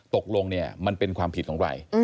ตกลงเนี่ยมันเป็นความผิดของใคร